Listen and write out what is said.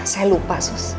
saya lupa sus